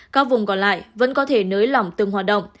các vùng còn lại vẫn có thể nới lỏng từng hoạt động